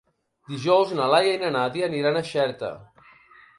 Dijous na Laia i na Nàdia aniran a Xerta.